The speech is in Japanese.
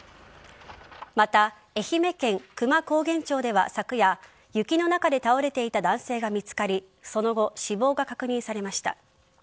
また愛媛県久万高原町では昨夜雪の中で倒れていた男性が見つかりその後、死亡が確認されました。